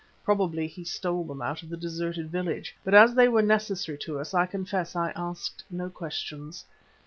Probably he stole them out of the deserted village, but as they were necessary to us I confess I asked no questions.